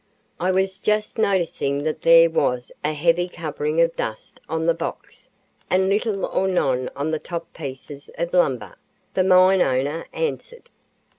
"I was just noticing that there was a heavy covering of dust on the box and little or none on the top pieces of lumber," the mine owner answered.